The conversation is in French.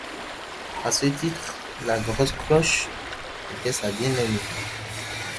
À ce titre, la grosse cloche était sa bien-aimée.